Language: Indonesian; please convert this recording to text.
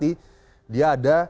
dia ada lintasan di atas